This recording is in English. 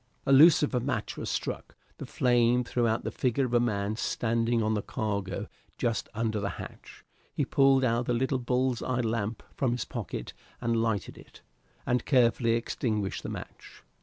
A lucifer match was struck; the flame threw out the figure of a man standing on the cargo just under the hatch; he pulled out a little bull's eye lamp from his pocket and lighted it, and carefully extinguished the match.